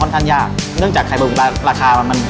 เป็นกระเภาไข่และหายมะมึก